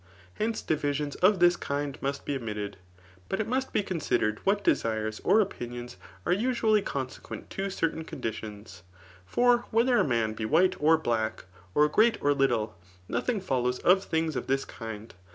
Hence, din* flions of this kind must be omitted ; but it must be consi * dered what [derires or opinions^ are usually consequent [to certain conditk>ns.] For whether a man be white or black, or great or little, nothing follows .of things of this kind.